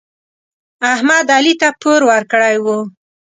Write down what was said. احمد علي ته پور ورکړی و.